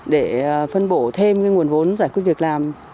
để phân bổ thêm nguồn vốn giải quyết việc làm